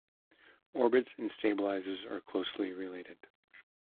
Orbits and stabilizers are closely related.